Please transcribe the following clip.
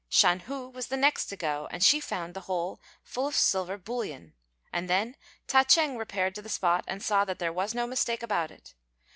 Shan hu was the next to go, and she found the hole full of silver bullion; and then Ta ch'êng repaired to the spot and saw that there was no mistake about it.